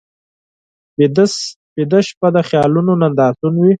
ویده شپه د خیالونو نندارتون وي